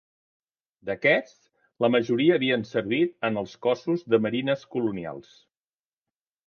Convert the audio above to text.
D'aquests, la majoria havien servit en els Cossos de Marines Colonials.